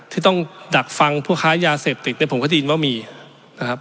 ที่ต้องดักฟังคือค้ายาเสพติดแล้วผมเขดินว่ามีนะครับ